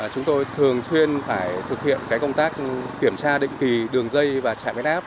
chúng tôi thường xuyên phải thực hiện công tác kiểm tra định kỳ đường dây và trạm biến áp